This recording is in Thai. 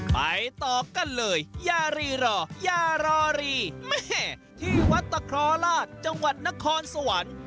ไปต่อกันเลยยารีรอยารอรีแม่ที่วัดตะครอราชจังหวัดนครสวรรค์